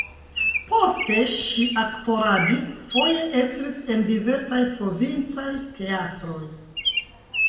Poste ŝi aktoradis, foje estris en diversaj provincaj teatroj.